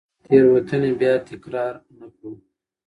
تېروتنې بیا تکرار نه کړو.